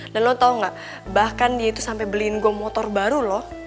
dan lo tau gak bahkan dia tuh sampe beliin gue motor baru loh